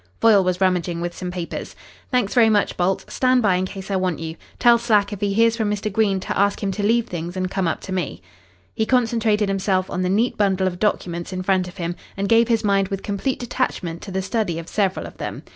Foyle was rummaging with some papers. "Thanks very much, Bolt. Stand by in case I want you. Tell Slack if he hears from Mr. Green to ask him to leave things and come up to me." He concentrated himself on the neat bundle of documents in front of him, and gave his mind with complete detachment to the study of several of them.